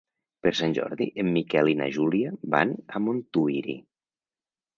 Per Sant Jordi en Miquel i na Júlia van a Montuïri.